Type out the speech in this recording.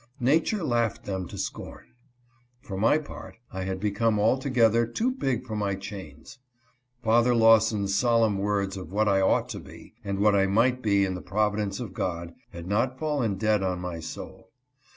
Nature laughed them to scorn. For my part, I had become altogether too big for my chains. Father Lawson's solemn words of what I ought to be, and what I might be in the providence of God, had not fallen dead on my soul.